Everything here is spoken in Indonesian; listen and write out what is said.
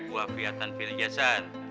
wa fiatan fil jasad